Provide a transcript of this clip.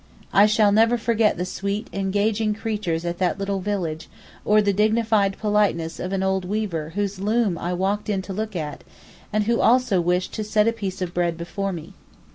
I shall never forget the sweet, engaging creatures at that little village, or the dignified politeness of an old weaver whose loom I walked in to look at, and who also wished to 'set a piece of bread before me.